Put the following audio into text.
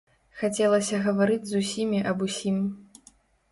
Хацелася гаварыць з усімі аб усім.